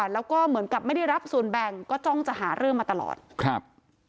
แล้วก็เหมือนกับไม่ได้รับส่วนแบ่งก็จ้องจะหาเรื่องมาตลอดครับ